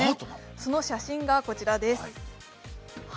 その写真がこちらです。